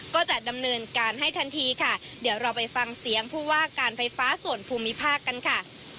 ก็จะดำเนินการให้ทันทีค่ะเดี๋ยวเราไปฟังเสียงผู้ว่าการไฟฟ้าส่วนภูมิภาคกันค่ะ